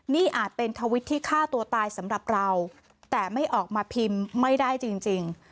นี่อาจเป็นทวิตที่ฆ่าตัวตายสำหรับเราแต่ไม่ออกมาพิมพ์ไม่ได้จริง